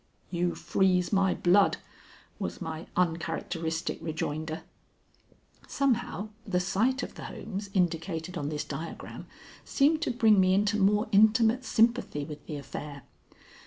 "You freeze my blood," was my uncharacteristic rejoinder. Somehow the sight of the homes indicated on this diagram seemed to bring me into more intimate sympathy with the affair.